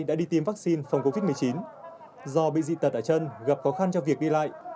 đã đi tiêm vaccine phòng covid một mươi chín do bị dị tật ở chân gặp khó khăn cho việc đi lại